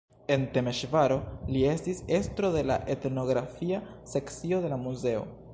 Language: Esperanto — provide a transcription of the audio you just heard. En Temeŝvaro li estis estro de la etnografia sekcio de la muzeo.